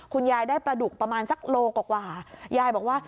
คุณยายได้ปลาดุกประมาณสักโลกว่ายายบอกว่า